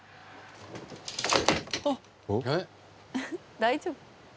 大丈夫？